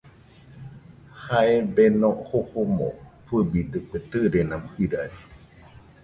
Jae Beno jofomo fɨbidekue tɨrena jirari.